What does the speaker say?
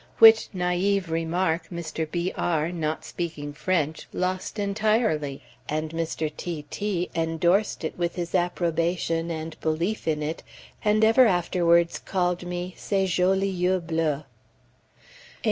which naïve remark Mr. B r, not speaking French, lost entirely, and Mr. T t endorsed it with his approbation and belief in it, and ever afterwards called me "Ces jolis yeux bleus."